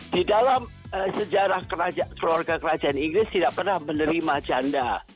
di dalam sejarah keluarga kerajaan inggris tidak pernah menerima janda